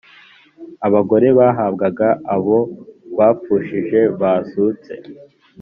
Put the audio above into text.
abagore bahabwaga abo bapfushije bazutse